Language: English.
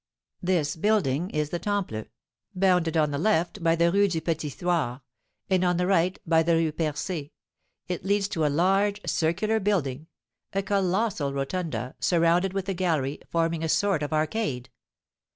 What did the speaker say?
This building is the Temple, bounded on the left by the Rue du Petit Thouars, and on the right by the Rue Percée; it leads to a large circular building, a colossal rotunda, surrounded with a gallery, forming a sort of arcade.